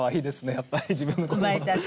やっぱり自分の子供は。